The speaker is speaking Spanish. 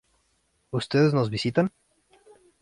¿Ustedes no visitan?